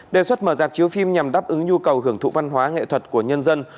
đề xuất mở dạp chiếu phim nhằm đáp ứng nhu cầu hưởng thụ văn hóa nghệ thuật của nhân dân